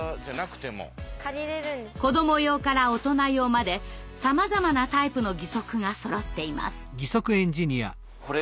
子ども用から大人用までさまざまなタイプの義足がそろっています。